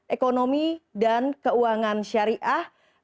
ekonomi dan keuangan syariah